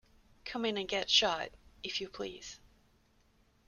Come in and get shot, if you please.